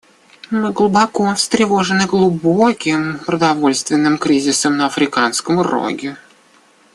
Мы глубоко встревожены глубоким продовольственным кризисом на Африканском Роге.